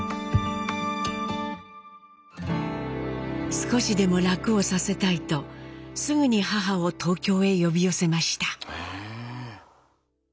少しでも楽をさせたいとすぐに母を東京へ呼び寄せました。